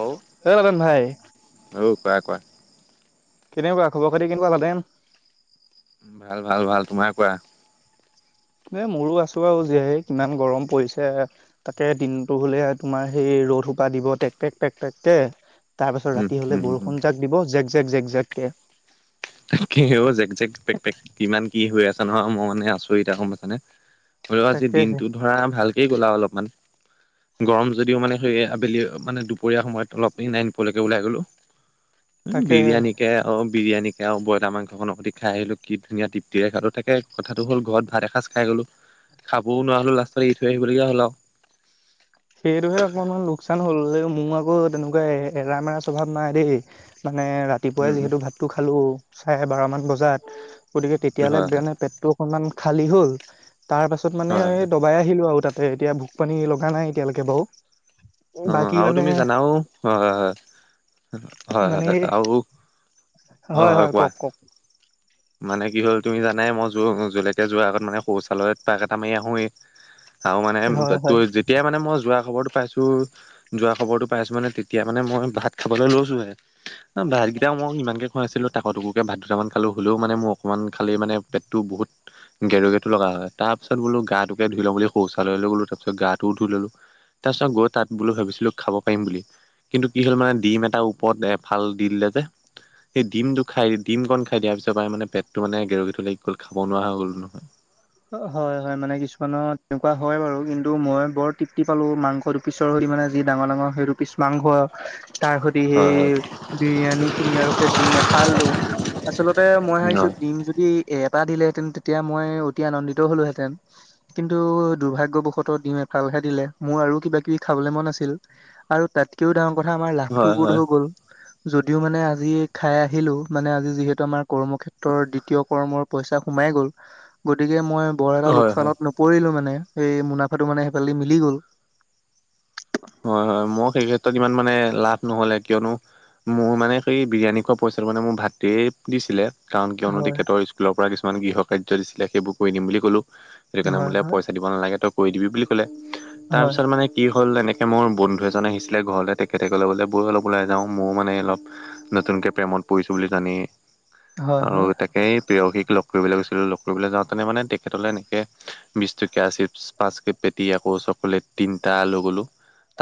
অ, এ লালেন ভাই অ কোৱা কোৱা। কেনেকুৱা, খবৰ খাতি কেনেকুৱা ভালে। ভাল ভাল ভাল তোমাৰ কোৱা। এ মোৰো আছো আৰু জীয়াই কিমান গৰম পৰিছে। তাকে দিনটো হ'লে তোমাৰ হেৰি ৰ'দ সোপা দিব টেক টেক টেক টেককে। তাৰপাছত উম ৰাতি হ'লে উম উম বৰষুণ জাক দিব, জেক জেক জেক জেক কে। তাকে হে ঔ জেগ জেগ, পেক পেক কিমান কি হৈ আছে নহয়। মই মানে আচৰিত আৰু গম পাইছা নে। হ'লেও আজি তাকে দিনটো ধৰা ভালকেই গ'লা অলপমান, গৰম যদিও মানে। সেই আবেলি মানে দুপৰীয়া সময়ত অলপ সেই নাৰায়ণপুৰ লৈকে ওলাই গ'লোঁ তাকে বিৰিয়ানী। কে অ, বিৰিয়ানী। সয়া ব্ৰইলাৰ মাংস কনৰ সতি খাই আহিলো কি ধুনীয়া তৃপ্তিৰে খালো, তাকে কথাটো হ'ল ঘৰত ভাত এসাঁজ খাই গ'লো। খাবও নোৱাৰা হ'লো লাষ্টত এৰি থৈ আহিবলগীয়া হ'ল আৰু। সেইটোহে অকণমান লোকচান হ'ল মোৰ আকৌ তেনেকুৱা এৰামেৰা স্বভাৱ নাই দেই। মানে ৰা। ৰাতিপুৱাই উম যিহেতু ভাতটো খালোঁ চাৰে বাৰমান বজাত, গতিকে উম তেতিয়ালৈ হয় হয় মানে পেটটো। অকনমান খালী হ'ল তাৰ পাছত মানে হয় হয় দবাই আহিলো আৰু তাতে এতিয়া ভোক পানী লগা নাই। একতিয়ালৈকে বাৰু। অ, বাকী আৰু মানে তুমি জানাও হয় হয় হয় হয় মানে হয় আৰু অ হয় হয় কোৱা কওক। কওক মানে কি হ'ল তুমি জানাই মই যৌ য'লৈকে যোৱাৰ আগত মানে শৌচালয়ত পাক এটা মাৰি আহোৱেই। আৰু মানে হয় হয় তই যেতিয়াই মানে মই যোৱা খবৰটো পাইছো। যোৱা খবৰটো পাই আছোঁ মানে তেতিয়া মানে মই ভাত খাবলৈ লৈছোহে। ভাতকেইটা মই ইমানকে খোৱা নছিলোঁ, তাকৰ টুকুৰকে ভাত দুটামান খালোঁ। হ'লেও মানে মোৰ অকমান খালে মানে পেটটো বহুত গেৰুগেটো লগা হয়, তাৰপিছত বোলো গাটোকে ধুই লওঁ বুলি শৌচালয়লৈ গ'লোঁ তাৰপিছত গাটো ধুই ল'লোঁ। তাৰপিছত গৈ তাত বোলো ভাবিছিলোঁ খাব পাৰিম বুলি কিন্তু কি হ'ল মানে ডিম এটা ওপৰত এফাল দি দিলে যে, সেই ডিমটো খাই ডিমকণ খাই দিয়াৰ পিছত পেটটো মানে গেৰো গেথো লাগি গ'ল, খাব নোৱাৰা হৈ গ'লো নহয়। হয় হয়, মানে কিছুমানত তেনেকুৱা হয় বাৰু কিন্তু মই বৰ তৃপ্তি পালোঁ মাংসটো পিছৰ দি মানে যি ডাঙৰ ডাঙৰ সেইটো পিছ মাংস তাৰ সৈ তে সেই হয় বিৰিয়ানীখিনি কিনি আৰু সেই ডিম এফালটো আচলতে মই ভাবিছোঁ ডিম যদি এ-এটা দিলেহেঁতেন তেতিয়া মই অ তি আনন্দিত হ'লোহেঁতেন। কিন্তু দুৰ্ভাগ্যবশত ডিম এফালহে দিলে, মোৰ আৰু কিবা কিবি খাবলে মন আছিল। আৰু তাতকেও ডাঙৰ কথা আমাৰ লাভটো হয় হয় সুত হয় হৈ গ'ল। যদিও মানে আজি খাই আহিলোঁ, মানে আজি যিহেতু আমাৰ কৰ্মক্ষেত্ৰৰ দ্বিতীয় কৰ্মৰ পইচা সোমাইয়ে গ'ল গতিকে মই বৰ এটা হয় লোকচানত ন পৰিলো মানে, সেই মুনাফাটো মানে সেইফাল দি মিলি গ'ল। হয় হয়, মই সেই ক্ষেত্ৰত ইমান মানে লাভ নহ'লে কিয়নো মোৰ মানে সেই বিৰিয়ানী খোৱা পইচাটো মানে মোৰ ভাতৃয়ে দিছিলে। কাৰণ কিয়নো হয় তেখেতৰ স্কুলৰ পৰা কিছুমান গৃহ কাৰ্য দিছিলে সেইবোৰ কৰি দিম বুলি ক'লো। সেই কাৰণে হয় বোলে হয় পইচা দিব নালাগে তই কৰি দিবি বুলি ক'লে, হয় তাৰপিছত মানে কি হ'ল এনে এ, মোৰ বন্ধু এজন আহিছিলে ঘৰলে, তেখেতে ক'লে বোলে ব'ল অলপ ওলাই যাওঁ, ময়ো মানে অলপ নতুনকে প্ৰেমত পৰিছোঁ বুলি জানি হয় আৰু হয় তাকেই প্ৰেয়সীক লগ কৰিবলৈ গৈছিলোঁ, লগ কৰিবলৈ যাওঁতে মানে তেখেতলৈ এনেকে বিছ টকীয়া চিপছ পাঁচকে পেটি আকৌ চকলেট তিনিটা লৈ গ'লো।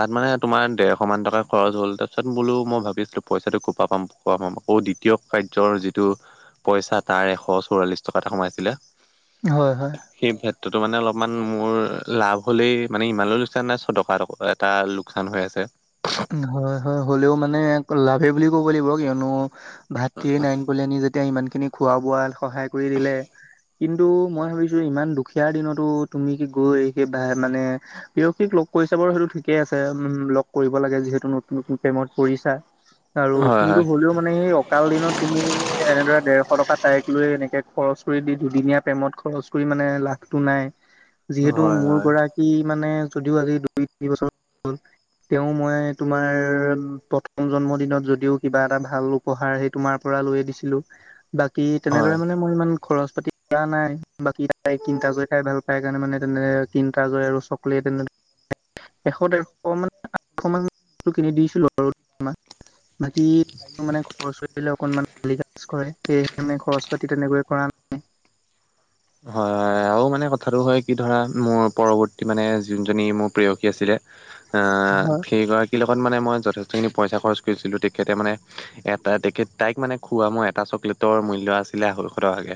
তাত মানে তোমাৰ ডেৰশমান টকা খৰচ হ'ল তাৰপিছত মই বোলো মই ভাৱি আছিলোঁ পইচাটো ক'ৰ পৰা পাম, ক'ৰ পৰা পাম আকৌ দি টীয়ক কাৰ্যৰ যিটো পইচা তাৰ এশ চৌৰাল্লিছ টকা এটা সোমাইছিলে। হয় হয়। সেই ক্ষেত্ৰতো মানে অলপমান মোৰ লাভ হ'লেই মানে ইমানো লোকচান নাই ছটকা এ এটা লোকচান হৈ আছে। হয় হয়, হ'লেও মানে আকৌ লাভে বুলি ক'ব লাগিব কিয়নো ভাতৃয়ে নাইন বলৈ নি যেতিয়া ইমানখিনি খোৱা বোৱাত সহায় কৰি দিলে কিন্তু মই ভাবিছোঁ ইমান দুখীয়া দিনতো তুমি কি গৈ এই সে বা মানে প্ৰেয়সীক লগ কৰিছা বাৰু সেইটো ঠিকে আছে উম, উম, লগ কৰিব কৰিব লাগে যিহেতু নতুন নতুন প্ৰেমত পৰিছা আৰু হয় কিন্তু হয় হ'লেও মানে সেই অকাল দিনত তুমি এনেদৰে ডেৰশ টকা তাইক লৈ এনেকে খৰচ কৰি দি দুদিনীয়া প্ৰেমত খৰচ কৰি মানে লাভটো নাই, যিহেতু হয় মোৰ হয় গৰাকী মানে যদিও আজি দুই তিনি বছৰ তেওঁ মই তোমাৰ প্ৰথম জন্মদিনত যদিও কিবা এটা ভাল উপহাৰ সেই তোমাৰ পৰা লৈয়ে দিছিলোঁ, বাকী তেনেদৰে হয়। মানে মোৰ ইমান খৰচ পাতি কৰা নাই, বাকী তাই কিণ্ডাৰ জয় খাই ভাল পায় কাৰণে মানে তেনে কিণ্ডাৰ জয় আৰু চ কলেট এনে [unintelligible] এশ ডেৰশ মান অকণমান কিনি দিছিলোঁ বাৰু [unintelligible] বাকী মোৰ মানে খৰচ হৈ [unintelligible] অকনমান। [unintelligible] কৰে, সেয়ে তেনে খৰচ পাতি তেনেকৈ কৰা হয়, হয়, আ আৰু মানে কথাটো হয় কি ধৰা মোৰ পৰৱৰ্তী মানে যোনজনী মোৰ প্ৰেয়সী আছিলে অহ হয় সেই গৰা কী লগত মানে মই যথেষ্টখিনি পইচা খৰচ কৰিছিলো তেখেতে মানে এটা তেখেত তাইক মানে খোৱা মই এটা চকলেট তৰ মূল্য আছিলে আঢ়ৈশ টকাকে।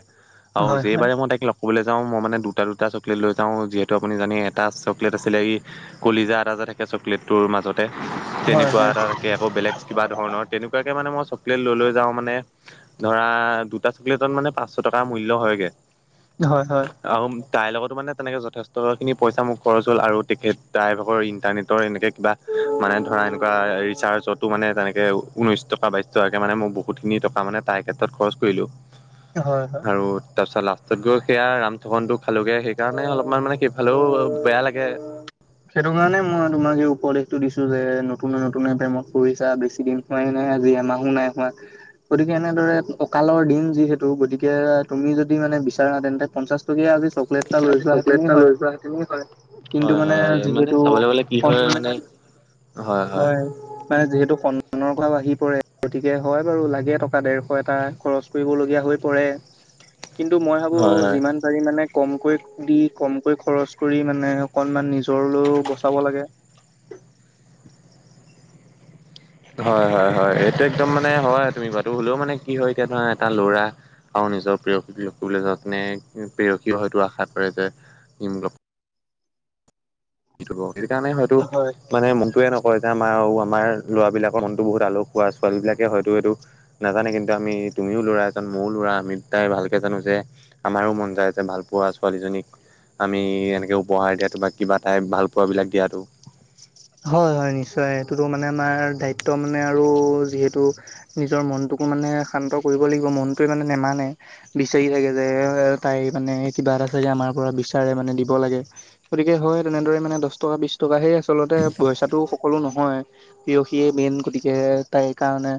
আৰু হয় যেই হয় বাৰে মই তাইক লগ কৰিবলৈ যাওঁ মই মানে দুটা দুটা চকলেট লৈ যাওঁ যিহেতু আপুনি জানে এটা চকলেট আছিলে এই কলিজা এটা যে থাকে চকলেটটোৰ মাজত। তে হয় তেনেকুৱা হয় এটা থাকে আকৌ বেলেগ কিবা ধৰণৰ তেনেকুৱাকে মানে মই চকলেট লৈ লৈ যাওঁ মানে ধৰা দুটা চকলেটত মানে পাঁচশ টকাৰ মূল্য হয় গে। হয় হয়। আৰু তাইৰ লগতো মানে তেনেকে যথেষ্টখিনি পইচা মোৰ খৰচ হ'ল আৰু টিকেট তাইৰ ভাগৰ ইণ্টাৰনেটৰ এনেকে কিবা মানে ধৰা এনেকুৱা ৰিচাৰ্জতো মানে তেনেকে ঊনৈশ টকা বাইশ টকাকে মানে মই বহুত বহুতখিনি টকা মানে তাইৰ ক্ষেত্ৰত খৰছ কৰিলোঁ হয় হয় আৰু তাৰপিছত লাষ্টত গৈ সেইয়া ৰাম ঠগনটো খালোগে সেইকাৰণে অলপমান মানে সেইফালেও বেয়া লাগে। সেইটো কাৰণে মই তোমাক এই উপদেশটো দিছো যে নতুনে নতুনে প্ৰেমত কৰিছা বেছি দিন হয় নাই আজি এমাহো নাই হোৱা। গতিকে এনেদৰে অকালৰ দিন যিহেতু গতিকে তুমি যদি মানে বিচাৰা তেন্তে পঞ্চাশ টকীয়া আজি চকলেট এটা লৈ চকলেট যোৱাহেঁতেনেই এটা হয় লৈ যোৱা হেঁতেনো হয়। কিন্তু হয় মানে হয় মানে যিহেতু চাবলৈ গ'লে কি হয় মানে হয়। মানে যিহেতু সন্মানৰ কথা আহি পৰে, গতিকে হয় বাৰু লাগে টকা দেৰশ এটা খৰছ কৰিবলগীয়া হৈ পৰে, কিন্তু মই ভাবো হয় হয়। যিমান পাৰি মানে কমকৈ দি কমকৈ খৰচ কৰি মানে অকনমান নিজৰলৈও বচাব লাগে। হয় হয় হয় এইটো একদম মানে হয় তুমি কোৱাটো হ'লেও মানে কি হয় এতিয়া ধৰা এটা ল'ৰা আৰু নিজৰ প্ৰেয়সীক‌ লগ কৰিবলৈ যোৱা কাৰাণে‌ প্ৰেয়সীও হয়তো আশা কৰে যে ই‌ মোক‌‌ লগ এইটো লোৱা সেইকাৰণে হয়তো হয় মানে মনটোৱে নকয় যে আমাৰ আৰু আমাৰ ল'ৰাবিলাকৰ মনতো বহুত আলসুৱা ছোৱালী বিলাকে হয়তো এইটো নাজানে কিন্তু আমি তুমিও ল'ৰা এজন ময়ো ল'ৰা আমি দুটাই ভালকৈ জানো যে আমাৰো মন যায় যে ভালপোৱা ছোৱালীজনীক আমি এনেকৈ উপহাৰ দিয়াটো বা কিবা তাই ভালপোৱাবিলাক দিয়াটো। হয় হয় নিশ্চয় সেইটোতো মানে আমাৰ দায়িত্ব মানে আৰু যিহেতু নিজৰ মনটোকো মানে শান্ত কৰিব লাগিব মনটোৱে মানে নেমানে। বিচাৰি থাকে যে তাই মানে কিবা এটা চাগে আমাৰ পৰা বিচাৰে মানে দিব লাগে। গতিকে হয় তেনেদৰে মানে দহ টকা বিশ টকা সেই আচলতে পইচাটো সকলো নহয়। প্ৰেয়সীয়ে মেইন গতিকে তাইৰ কাৰণে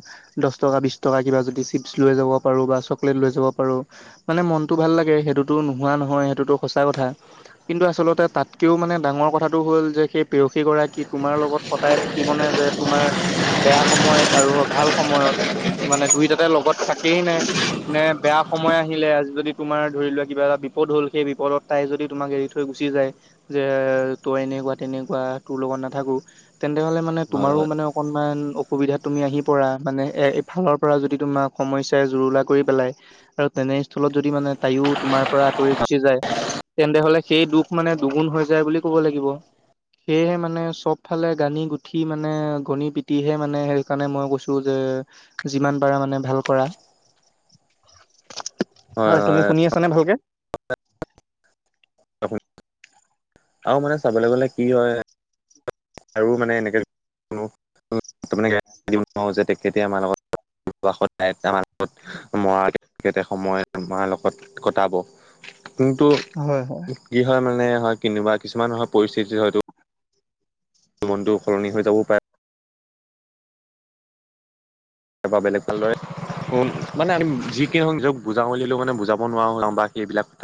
দহ টকা বিশ টকা কিবা যদি চিপছ লৈ যাব পাৰো বা চকলেট লৈ যাব পাৰো মানে মনটো ভাল লাগে সেইটোতো নোহোৱা নহয় সেইটোতো সঁচা কথা। কিন্তু আচলতে তাতকেও মানে ডাঙৰ কথাটো হ'ল যে সেই প্ৰেয়সীগৰাকী তোমাৰ লগত সদাই থাকিবনে যে তোমাৰ বেয়া সময়ত আৰু ভাল সময়ত মানে দুইটাতে লগত থাকেই নে নে বেয়া সময় আহিলে আজি যদি তোমাৰ ধৰি লোৱা কিবা এটা বিপদ হ'ল সেই বিপদত তাই যদি তোমাক এৰি থৈ থৈ গুচি যায় যে তই এনেকুৱা তেনেকুৱা তোৰ লগত নাথাকো তেন্তে হ'লে মানে তোমাৰো মানে অক অকণমান অসুবিধাত তুমি আহি পৰা মানে এয়া এইফালৰ পৰা যদি তোমাক সমস্যাই জুৰুলা কৰি পেলাই। আৰু তেনেস্থলত যদি মানে তাইও তোমাৰ পৰা আঁতৰি গুচি যায়। তেন্তে হ'লে সেই দুখ মানে দুগুণ হৈ যায় বুলি ক'ব লাগিব। সেয়েহে মানে চবফালে গানি গুঠি মানে গণি পিটিহে মানে সেইকাৰণে মই কৈছোঁ যে যিমান পাৰা মানে ভাল কৰা হয় তুমি শুনি আছা নে ভালকে আৰু মানে চাবলৈ গলে কি হয় আৰু মানে এনেকে যে তাৰমানে গাই পাতিব নোৱাৰোঁ যে তেখেতে আমাৰ লগত [unintelligible] তত সদায় তাহাতৰ লগত মৰাৰ কেতিয়া সময় মাৰ লগত [unintelligible] কটাব কিন্তু হয়। হয়। কি হয় মানে হয় কেনিবা কিছুমান হয় পৰিস্থিতিত হয়তো মনটো সলনি হৈ যাব পাৰে। তাৰপা বেলেগ ভালদৰে মানে আমি যি কি নহওঁক নিজক বুজাব উলিয়ালেও মানে বুজাব নোৱাৰো বা সেইবিলাক কথা